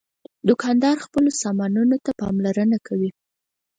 دوکاندار خپلو سامانونو ته پاملرنه کوي.